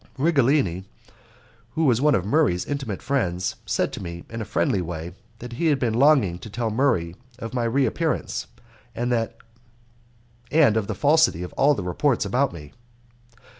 Righelini, who was one of Murray's intimate friends, said to me in a friendly way that he had been longing to tell Murray of my re appearance, and of the falsity of all the reports about me.